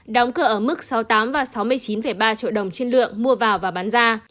đóng cửa ở mức sáu mươi tám và sáu mươi chín ba triệu đồng trên lượng mua vào và bán ra